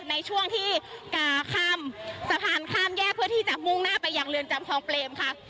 ในช่วงที่กาข้ามสะพานข้ามแยกเพื่อที่จะมุ่งหน้าไปยังเหลือค่ะ